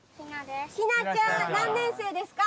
ひなちゃん！